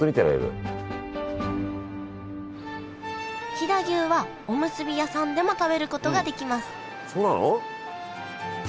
飛騨牛はおむすび屋さんでも食べることができますそうなの？